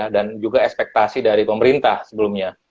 dan juga ekspektasi dari pemerintah sebelumnya